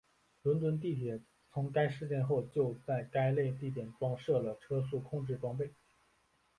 伦敦地铁从该事件后就在该类地点装设了车速控制装备。